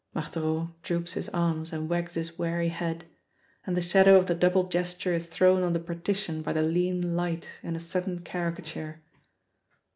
Marthereau droops his arms and wags his weary head and the shadow of the double gesture is thrown on the partition by the lean light in a sudden caricature.